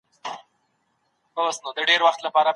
که مغول کمزوري نه وای حاکمان به واکمن نه وو.